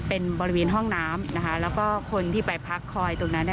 เป็นบริเวณห้องน้ำนะคะแล้วก็คนที่ไปพักคอยตรงนั้น